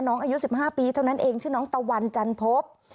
อายุ๑๕ปีเท่านั้นเองชื่อน้องตะวันจันพบ